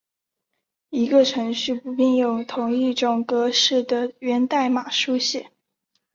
一个程序不必用同一种格式的源代码书写。